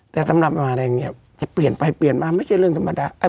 แต่สำหรับอะไรอย่างนี้จะเปลี่ยนไปเปลี่ยนมาไม่ใช่เรื่องธรรมดา